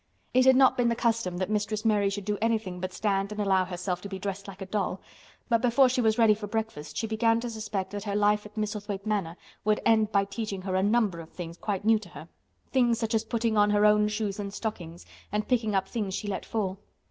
It had not been the custom that Mistress Mary should do anything but stand and allow herself to be dressed like a doll, but before she was ready for breakfast she began to suspect that her life at Misselthwaite Manor would end by teaching her a number of things quite new to her—things such as putting on her own shoes and stockings, and picking up things she let fall.